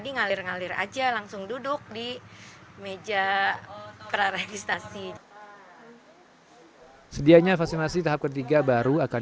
dialir ngalir aja langsung duduk di meja praregistasi sedianya vaksinasi tahap ketiga baru akan